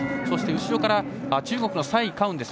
そして、後ろから中国の蔡佳雲。